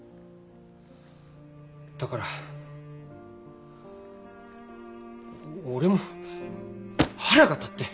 だから俺も腹が立って。